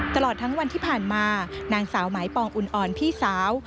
ตลอดทั้งวันที่ผ่านมานางสาวหมายปองอุ่นอ่อนพี่สาว